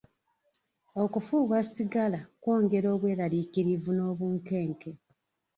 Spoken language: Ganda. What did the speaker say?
Okufuuwa sigala kwongera obweraliikirivu n'obunkenke.